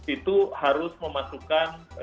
itu harus memasukkan